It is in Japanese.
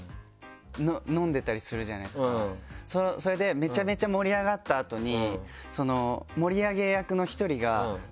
それでめちゃめちゃ盛り上がった後に。